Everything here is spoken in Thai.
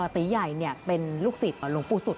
ตีใหญ่เป็นลูกศิษย์หลวงปู่สุด